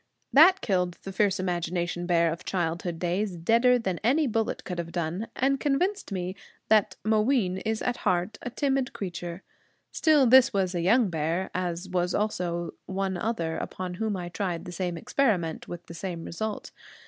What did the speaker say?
That killed the fierce imagination bear of childhood days deader than any bullet could have done, and convinced me that Mooween is at heart a timid creature. Still, this was a young bear, as was also one other upon whom I tried the same experiment, with the same result.